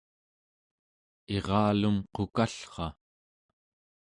iralum qukallra